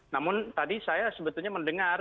namun tadi saya sebetulnya mendengar